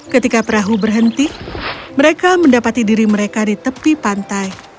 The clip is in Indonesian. ketika perahu berhenti mereka mendapati diri mereka di tepi pantai